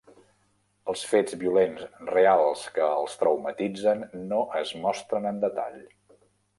Els fets violents reals que els traumatitzen no es mostren en detall.